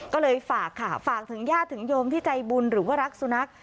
ก็เลยฝากค่ะฝากถึงญาติถึงโยมที่ใจบุญหรือว่ารักสุนัข